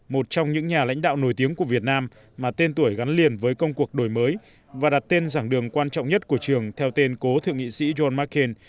một trong những nhà lãnh đạo nổi tiếng của việt nam mà tên tuổi gắn liền với công cuộc đổi mới và đặt tên giảng đường quan trọng nhất của trường theo tên cố thượng nghị sĩ john mccain